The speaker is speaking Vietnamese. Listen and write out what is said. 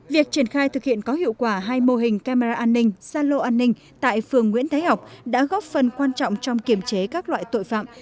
việc triển khai thực hiện có hiệu quả hai mô hình camera an ninh xa lô an ninh tại phường nguyễn thái học đã góp phần quan trọng trong kiểm chế các loại tội phạm